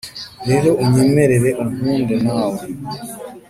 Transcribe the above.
rero unyemerere unkunde nawe